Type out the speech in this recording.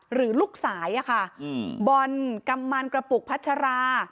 หรือลูกสายอะค่ะบอลกำมันกระปุกพัชรา